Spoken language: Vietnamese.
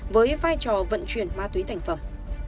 với vai trò vận chuyển ma túy thành phẩm